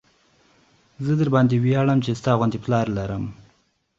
زه درباندې وياړم چې ستا غوندې پلار لرم.